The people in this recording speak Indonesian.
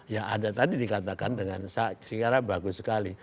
ya ada tadi dikatakan dengan segera bagus sekali